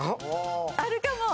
あるかも！